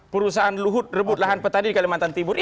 perusahaan luhut rebut lahan petani di kalimantan timur